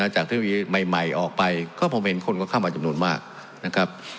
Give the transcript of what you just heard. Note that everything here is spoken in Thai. จากที่มีไม่ออกไปก็ผมเห็นคนเข้ามาจำนวนมากนะครับ